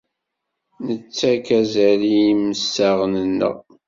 Nettak azal i imsaɣen-nneɣ.